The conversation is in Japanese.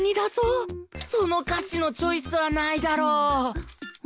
その菓子のチョイスはないだろ